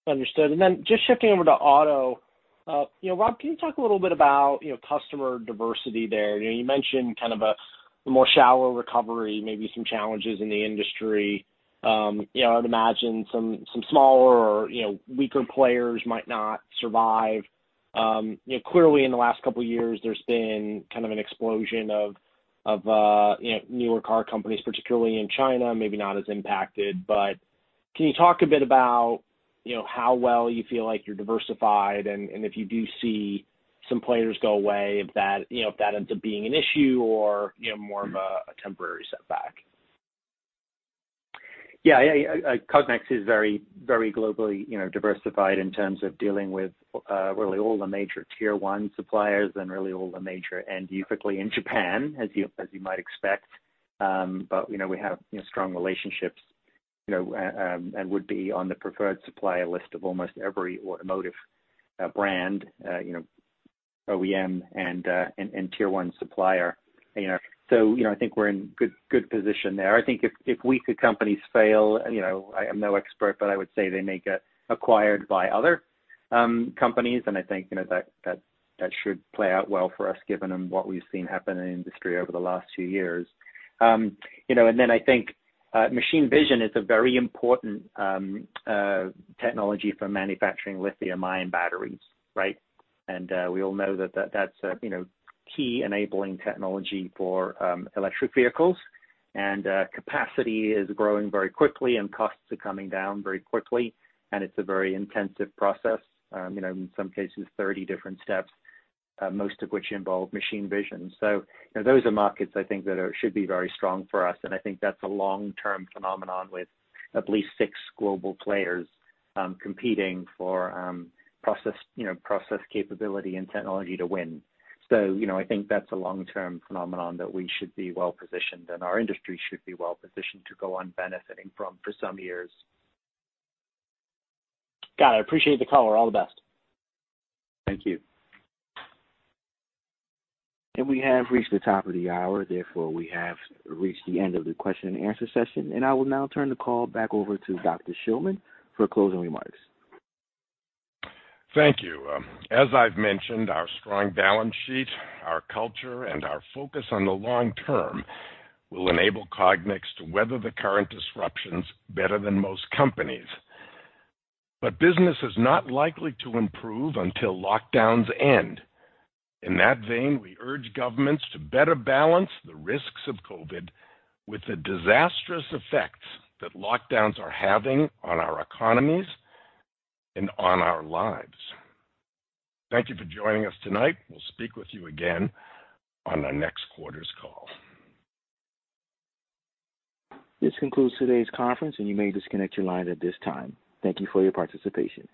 Understood. Then just shifting over to auto. Rob, can you talk a little bit about customer diversity there? You mentioned kind of a more shallow recovery, maybe some challenges in the industry. I would imagine some smaller or weaker players might not survive. Clearly in the last couple of years, there's been kind of an explosion of newer car companies, particularly in China, maybe not as impacted. Can you talk a bit about how well you feel like you're diversified, and if you do see some players go away, if that ends up being an issue or more of a temporary setback? Cognex is very globally diversified in terms of dealing with really all the major tier 1 suppliers and really all the major end users, particularly in Japan, as you might expect. We have strong relationships, and would be on the preferred supplier list of almost every automotive brand, OEM, and tier 1 supplier. I think we're in a good position there. I think if weaker companies fail, I am no expert, but I would say they may get acquired by other companies, and I think that should play out well for us, given what we've seen happen in the industry over the last few years. I think machine vision is a very important technology for manufacturing lithium-ion batteries, right? We all know that that's a key enabling technology for electric vehicles, and capacity is growing very quickly, and costs are coming down very quickly, and it's a very intensive process. In some cases, 30 different steps, most of which involve machine vision. Those are markets I think that should be very strong for us, and I think that's a long-term phenomenon with at least six global players competing for process capability and technology to win. I think that's a long-term phenomenon that we should be well-positioned, and our industry should be well-positioned to go on benefiting from for some years. Got it. I appreciate the color. All the best. Thank you. We have reached the top of the hour, therefore, we have reached the end of the question and answer session, and I will now turn the call back over to Dr. Shillman for closing remarks. Thank you. As I've mentioned, our strong balance sheet, our culture, and our focus on the long term will enable Cognex to weather the current disruptions better than most companies. Business is not likely to improve until lockdowns end. In that vein, we urge governments to better balance the risks of COVID with the disastrous effects that lockdowns are having on our economies and on our lives. Thank you for joining us tonight. We'll speak with you again on our next quarter's call. This concludes today's conference, and you may disconnect your line at this time. Thank you for your participation.